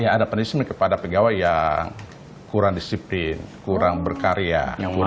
ada punishment kepada pegawai yang kurang disiplin kurang berkarya